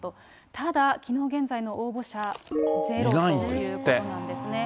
ただ、きのう現在の応募者ゼロということなんですね。